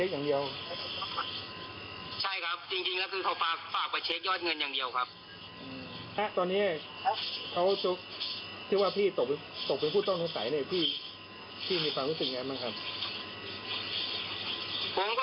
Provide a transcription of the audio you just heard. แฮะตอนนี้เขาทิ้วว่าพี่ตกเป็นผู้ต้องการใสเนบพี่มีความรู้สึกยังไงบ้างครับ